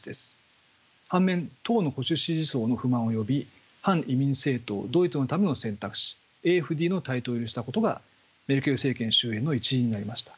半面党の保守支持層の不満を呼び反移民政党「ドイツのための選択肢」の台頭を許したことがメルケル政権終焉の一因になりました。